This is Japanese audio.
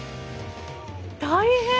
大変！